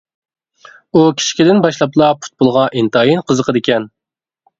ئۇ كىچىكىدىن باشلاپلا پۇتبولغا ئىنتايىن قىزىقىدىكەن.